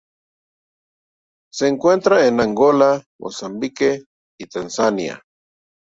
Se encuentra en Angola, Mozambique y Tanzania.